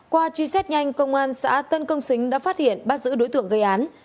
qua truy xét nhanh công an xã tân công xính đã phát hiện bắt giữ đối tượng gây án